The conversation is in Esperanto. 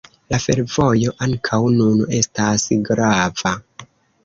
La fervojo ankaŭ nun estas grava.